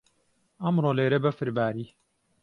ئەمڕۆ لێرە بەفر باری.